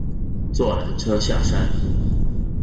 坐缆车下山